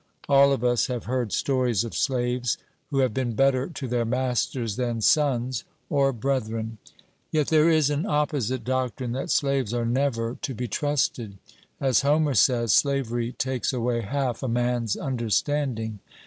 All of us have heard stories of slaves who have been better to their masters than sons or brethren. Yet there is an opposite doctrine, that slaves are never to be trusted; as Homer says, 'Slavery takes away half a man's understanding.'